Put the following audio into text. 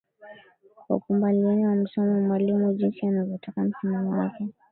wakumbaliane wamsome mwalimu jinsi anavyotaka msimamo wake